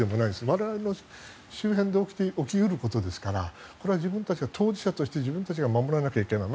我々の周辺で起き得ることですから当事者として自分たちが守らなきゃいけない。